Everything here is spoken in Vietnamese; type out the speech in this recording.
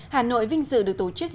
hà nội vinh dự được tổ chức